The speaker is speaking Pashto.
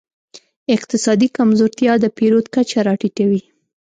اقتصادي کمزورتیا د پیرود کچه راټیټوي.